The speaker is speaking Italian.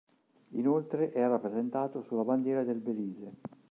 Inoltre è rappresentato sulla bandiera del Belize.